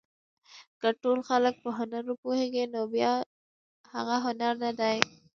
که ټول خلک په هنر وپوهېږي نو بیا هغه هنر نه دی.